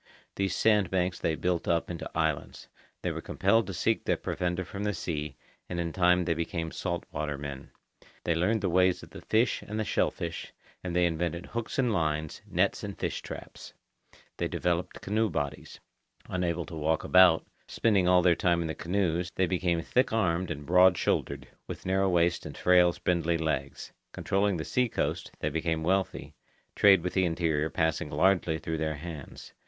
These sand banks they built up into islands. They were compelled to seek their provender from the sea, and in time they became salt water men. They learned the ways of the fish and the shellfish, and they invented hooks and lines, nets and fish traps. They developed canoe bodies. Unable to walk about, spending all their time in the canoes, they became thick armed and broad shouldered, with narrow waists and frail spindly legs. Controlling the sea coast, they became wealthy, trade with the interior passing largely through their hands.